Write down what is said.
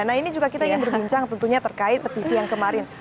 nah ini juga kita ingin berbincang tentunya terkait petisi yang kemarin